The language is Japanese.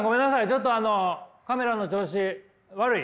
ちょっとあのカメラの調子悪い？